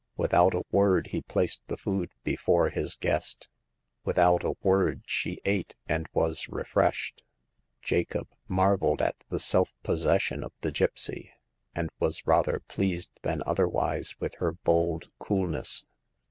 Without a word he placed the food before his guest ; without a word she ate, and was refreshed. Jacob marveled at the self possession of the gipsy, and was rather pleased than otherwise with her bold coolness.